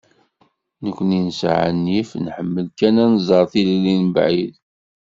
Nekkni nesɛa nnif, nḥemmel kan ad tnẓer tilelli mebɛid.